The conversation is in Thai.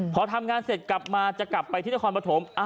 พอทำงานเสร็จกลับมาจะกลับไปที่นครปฐม